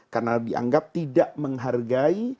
karena dianggap tidak menghargai